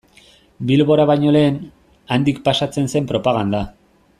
Bilbora baino lehen, handik pasatzen zen propaganda.